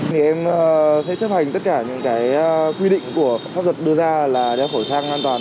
thì em sẽ chấp hành tất cả những quy định của pháp luật đưa ra là đeo khẩu trang an toàn